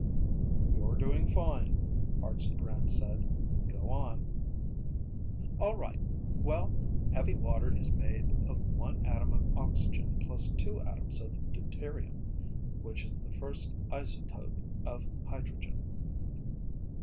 "You're doing fine," Hartson Brant said. "Go on." "All right. Well, heavy water is made of one atom of oxygen plus two atoms of deuterium, which is the first isotope of hydrogen.